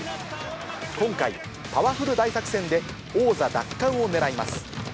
今回、パワフル大作戦で王座奪還を狙います。